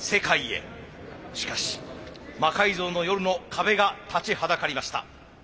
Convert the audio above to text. しかし「魔改造の夜」の壁が立ちはだかりました。